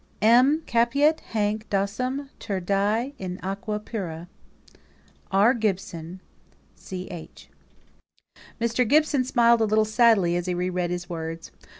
M. Capiat hanc dosim ter die in aquë purë. R. GIBSON, Ch. Mr. Gibson smiled a little sadly as he re read his words.